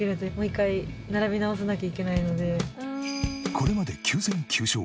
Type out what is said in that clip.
これまで９戦９勝。